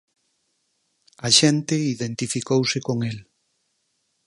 A xente identificouse con el.